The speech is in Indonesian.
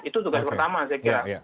itu tugas pertama saya kira